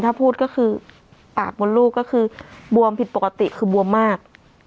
ถ้าพูดก็ผมลูกคือบวมผิดปกติคือบวมมาก